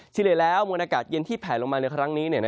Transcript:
เฉลี่ยแล้วมวลอากาศเย็นที่แผลลงมาในครั้งนี้